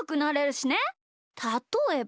たとえば。